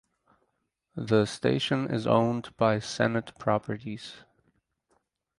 The station is owned by Senate Properties.